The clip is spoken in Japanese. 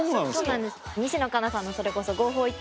西野カナさんのそれこそはい。